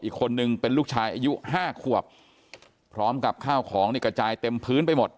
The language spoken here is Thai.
อีกคนนึงเป็นลูกชายอายุห้าขวบพร้อมกับข้าวของนี่กระจายเต็มพื้นไปหมด